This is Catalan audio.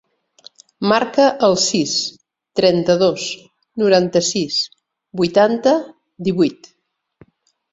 Marca el sis, trenta-dos, noranta-sis, vuitanta, divuit.